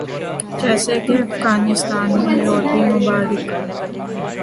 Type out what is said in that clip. جیسے کے افغانستان میں یورپی ممالک